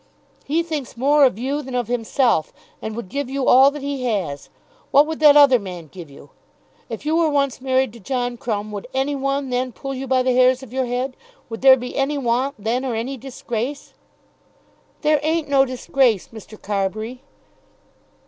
"He thinks more of you than of himself, and would give you all that he has. What would that other man give you? If you were once married to John Crumb, would any one then pull you by the hairs of your head? Would there be any want then, or any disgrace?" "There ain't no disgrace, Mr. Carbury."